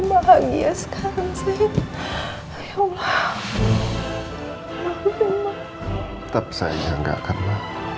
masih kamu bahagia sekali